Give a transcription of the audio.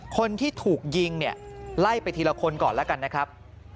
คนที่ถูกยิงเนี่ยไล่ไปทีละคนก่อนแล้วกันนะครับ